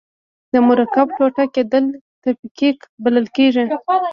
د مرکب ټوټه کیدل تفکیک بلل کیږي.